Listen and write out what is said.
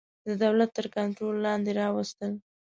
د دولت تر کنټرول لاندي راوستل.